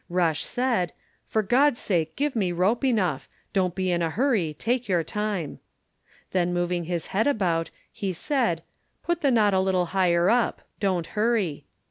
Rush said, "For God's sake give me rope enough. Don't be in a hurry; take your time." Then moving his head about, he said "Put the knot a little higher up, don't hurry."